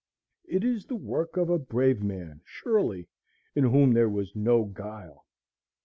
It is the work of a brave man surely, in whom there was no guile!